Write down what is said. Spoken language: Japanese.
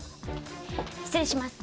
失礼します。